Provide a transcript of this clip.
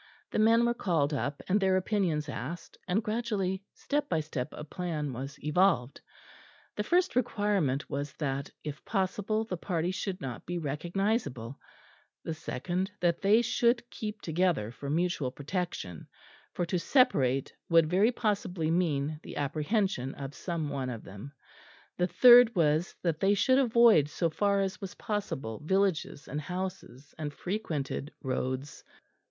The men were called up, and their opinions asked; and gradually step by step a plan was evolved. The first requirement was that, if possible, the party should not be recognisable; the second that they should keep together for mutual protection; for to separate would very possibly mean the apprehension of some one of them; the third was that they should avoid so far as was possible villages and houses and frequented roads.